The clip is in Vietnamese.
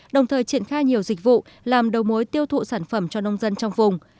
đồng thời triển khai nhiều dịch vụ làm đầu mối tiêu thụ sản phẩm cho nông dân trong vùng